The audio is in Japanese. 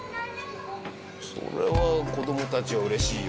それは子どもたちはうれしいよね。